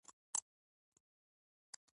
• د ورځې دعا د برکت سبب ګرځي.